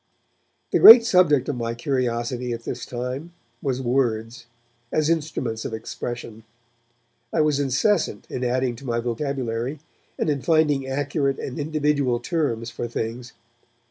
The great subject of my curiosity at this time was words, as instruments of expression. I was incessant in adding to my vocabulary, and in finding accurate and individual terms for things.